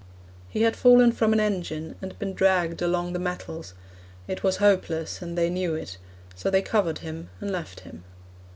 He had fallen from an engine, And been dragged along the metals. It was hopeless, and they knew it; So they covered him, and left him.